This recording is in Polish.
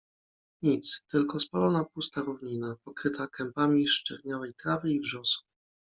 Nic — tylko spalona pusta równina, pokryta kępami sczerniałej trawy i wrzosów.